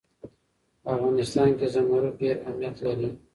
په افغانستان کې زمرد ډېر اهمیت لري.